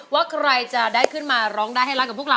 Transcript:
ว่าใครจะได้ขึ้นมาร้องได้ให้รักกับพวกเรา